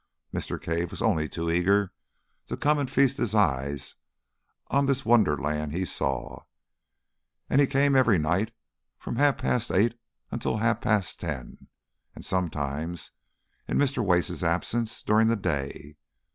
Mr. Cave was only too eager to come and feast his eyes on this wonderland he saw, and he came every night from half past eight until half past ten, and sometimes, in Mr. Wace's absence, during the day.